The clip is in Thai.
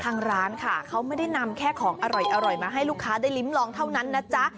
ทางร้านค่ะเขาไม่ได้นำแค่ของอร่อยมาให้ลูกค้าได้ลิ้มลองเท่านั้นนะจ๊ะ